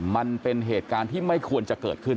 มันเป็นเหตุการณ์ที่ไม่ควรจะเกิดขึ้น